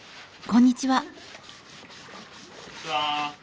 こんにちは。